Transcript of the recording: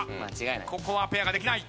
ここはペアができない。